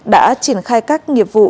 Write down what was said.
đã triển khai các nghiệp vụ